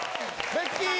ベッキー！